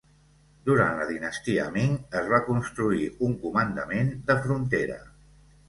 Durant la dinastia Ming, es va construir un comandament de frontera.